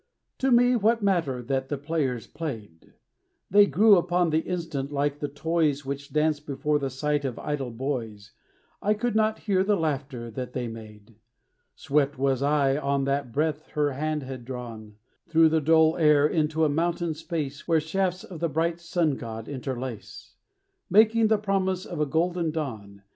To me what matter that the players played! They grew upon the instant like the toys Which dance before the sight of idle boys; I could not hear the laughter that they made. Swept was I on that breath her hand had drawn, Through the dull air, into a mountain space, Where shafts of the bright sun god interlace, Making the promise of a golden dawn.